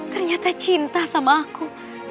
ternyata cinta sama aku